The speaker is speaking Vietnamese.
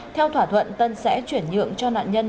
theo thỏa thuận tân sẽ chuyển nhượng cho nạn nhân